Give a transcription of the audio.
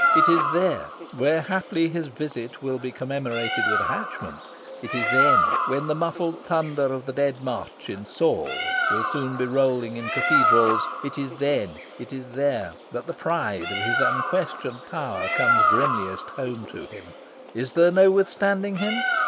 It is there, where haply his visit will be commemorated with a hatchment; it is then, when the muffled thunder of the Dead March in 'Saul' will soon be rolling in cathedrals; it is then, it is there, that the pride of his unquestioned power comes grimliest home to him. Is there no withstanding him?